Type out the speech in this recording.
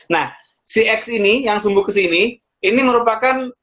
nah si x ini yang sumbu kesini ini merupakan